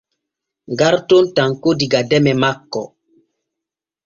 Garton tanko diga deme manko.